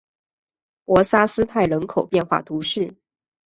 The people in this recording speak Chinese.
博沙斯泰人口变化图示